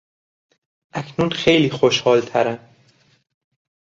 اکنون خیلی خوشحالترم.